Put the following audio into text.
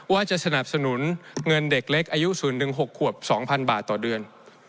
ว่าจะสนับสนุนเงินเด็กเล็กอายุ๐๑๖ขวบ๒๐๐๐บาทต่อเดือน